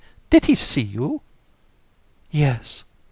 did he see you? JU. Yes.